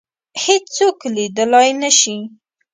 هیڅوک لیدلای نه شي